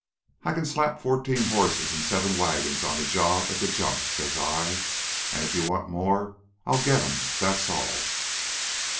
"'I can slap fourteen horses an' seven wagons onto the job at the jump,' says I. 'An' if you want more, I'll get 'm, that's all.'